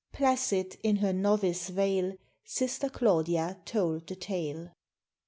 (Placid, in her novice veil, Sister Claudia told the tale.)